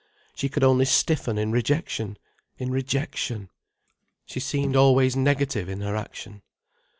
She could only stiffen in rejection, in rejection. She seemed always negative in her action.